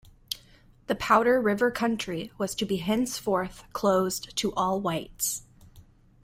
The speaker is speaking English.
The Powder River Country was to be henceforth closed to all whites.